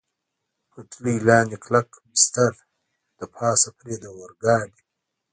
پټلۍ لاندې کلک بستر، له پاسه پرې د اورګاډي.